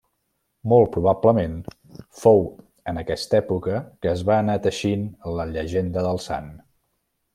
Molt probablement fou en aquesta època que es va anar teixint la llegenda del sant.